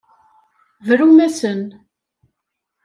Brum-asen.